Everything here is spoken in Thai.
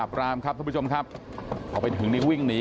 ครับครับถ่ายรูปไว้หมดแล้วครับเป็นเป็นไรครับ